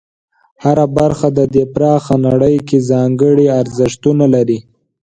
هره برخه د دې پراخه نړۍ کې ځانګړي ارزښتونه لري.